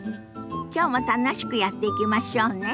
きょうも楽しくやっていきましょうね。